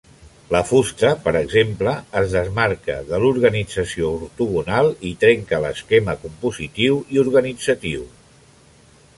La fusta, per exemple, es desmarca de l'organització ortogonal i trenca l'esquema compositiu i organitzatiu.